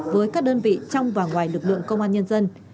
với các đơn vị trong và ngoài lực lượng công an nhân dân